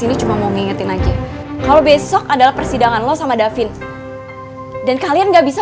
lu ternyata gk bisa disini